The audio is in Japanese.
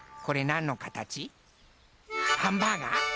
これなんのかたち？ハンバーガー？